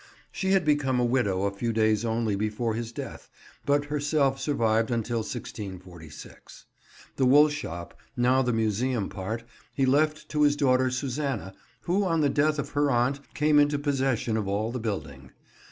She had become a widow a few days only before his death, but herself survived until 1646. The woolshop—now the Museum part—he left to his daughter Susanna, who on the death of her aunt came into possession of all the building.